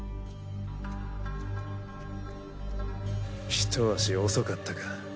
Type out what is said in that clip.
ひと足遅かったか。